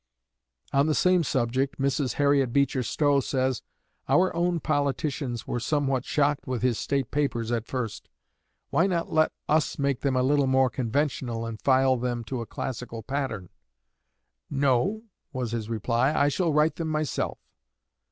On the same subject, Mrs. Harriet Beecher Stowe says: "Our own politicians were somewhat shocked with his state papers at first. 'Why not let us make them a little more conventional, and file them to a classical pattern?' 'No,' was his reply, 'I shall write them myself.